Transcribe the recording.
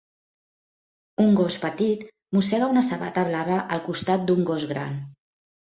Un gos petit mossega una sabata blava al costat d'un gos gran.